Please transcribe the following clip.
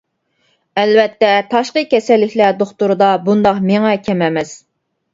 ئەلۋەتتە، تاشقى كېسەللىكلەر دوختۇرىدا بۇنداق مېڭە كەم ئەمەس.